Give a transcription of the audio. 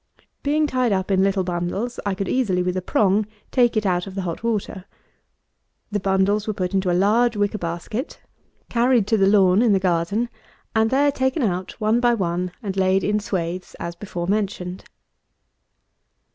Being tied up in little bundles, I could easily, with a prong, take it out of the hot water. The bundles were put into a large wicker basket, carried to the lawn in the garden, and there taken out, one by one, and laid in swaths as before mentioned.